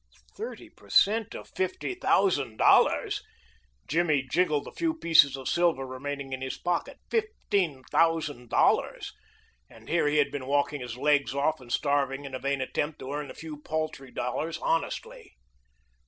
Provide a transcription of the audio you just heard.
Thirty per cent of fifty thousand dollars! Jimmy jingled the few pieces of silver remaining in his pocket. Fifteen thousand dollars! And here he had been walking his legs off and starving in a vain attempt to earn a few paltry dollars honestly.